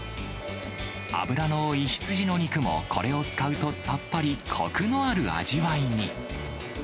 脂の多い羊の肉も、これを使うと、さっぱり、こくのある味わいに。